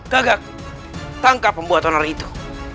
gagak tangkap pembuat honor itu